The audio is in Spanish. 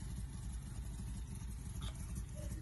Ácidos grasos